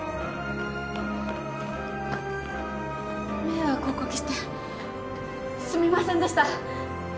迷惑をお掛けしてすみませんでした。